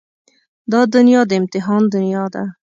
دا دنيا د امتحان دنيا ده.